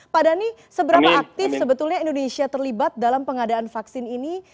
pak dhani seberapa aktif sebetulnya indonesia terlibat dalam pengadaan vaksin ini